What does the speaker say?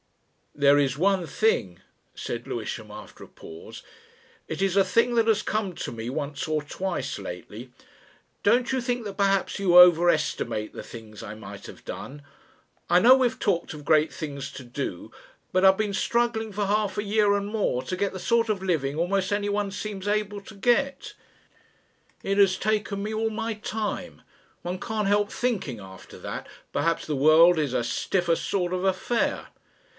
"There is one thing," said Lewisham after a pause, "it is a thing that has come to me once or twice lately. Don't you think that perhaps you over estimate the things I might have done? I know we've talked of great things to do. But I've been struggling for half a year and more to get the sort of living almost anyone seems able to get. It has taken me all my time. One can't help thinking after that, perhaps the world is a stiffer sort of affair